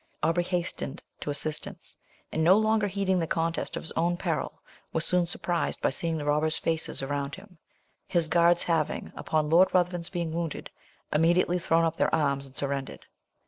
Aubrey hastened to his assistance; and, no longer heeding the contest or his own peril, was soon surprised by seeing the robbers' faces around him his guards having, upon Lord Ruthven's being wounded, immediately thrown up their arms and surrendered.